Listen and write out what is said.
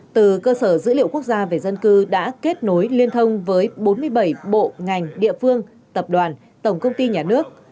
từ cơ sở dữ liệu quốc gia về dân cư đã kết nối liên thông với bốn mươi bảy bộ ngành địa phương tập đoàn tổng công ty nhà nước